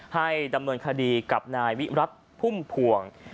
ให้ดำเนินคดีกับนายวิรัติพุ่มพวง